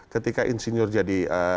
ketika insinyur jadi mojek